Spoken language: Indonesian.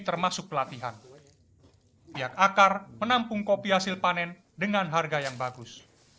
termasuk pelatihan pihak akar menampung kopi hasil panen dengan harga yang bagus